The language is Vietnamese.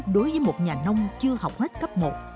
đối với một nhà nông chưa học hết cấp một